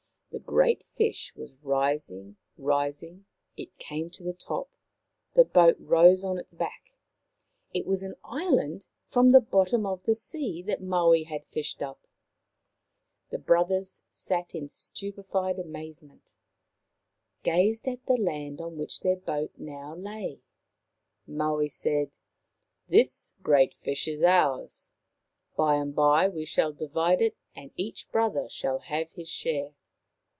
The great fish was rising, rising ; it came to the top ; the boat rose on its back. It was an island from the bottom of the sea that Maui had fished up ! The brothers sat in stupefied amazement, gazing at the land on which their boat now lay. Maui said :" This great fish is ours. By and by we shall divide it and each brother shall have his share.